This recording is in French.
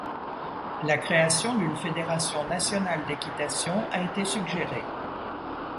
La création d'une fédération nationale d'équitation a été suggérée.